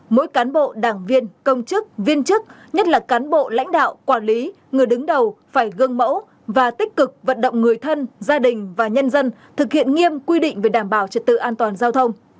mỗi cán bộ đảng viên công chức viên chức nhất là cán bộ lãnh đạo quản lý người đứng đầu phải gương mẫu và tích cực vận động người thân gia đình và nhân dân thực hiện nghiêm quy định về đảm bảo trật tự an toàn giao thông